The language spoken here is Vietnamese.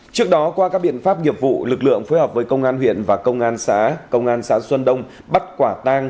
trước đó qua các biện pháp nghiệp vụ lực lượng phối hợp với công an huyện và công an xã xuân đông bắt quả tang